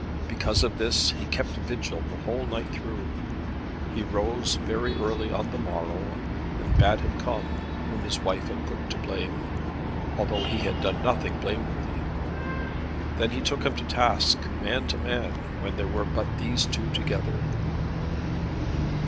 Because of this he kept vigil the whole night through. He rose very early on the morrow, and bade him come whom his wife had put to blame, although he had done nothing blameworthy. Then he took him to task, man to man, when there were but these two together.